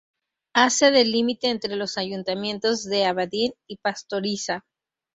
Hace de límite entre los ayuntamientos de Abadín y Pastoriza.